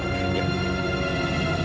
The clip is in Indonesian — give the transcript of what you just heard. terima kasih pak